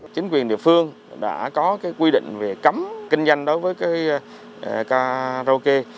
chính quyền địa phương đã có quy định về cấm kinh doanh đối với karaoke